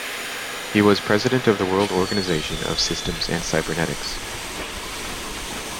He was president of the World Organization of Systems and Cybernetics.